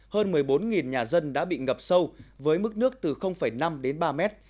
hơn một mươi bốn nhà dân đã bị ngập sâu với mức nước từ năm đến ba mét